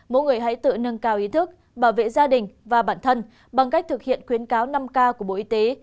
mỗi người hãy tự nâng cao ý thức bảo vệ gia đình và bản thân bằng cách thực hiện khuyến cáo năm k của bộ y tế